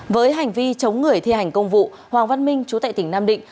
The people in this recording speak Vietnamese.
với hành vi chống người thi hành công vụ hoàng văn minh chú tại tỉnh nam định